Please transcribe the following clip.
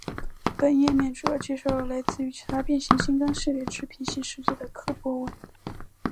本页面主要介绍了来自于其他变形金刚系列之平行世界的柯博文。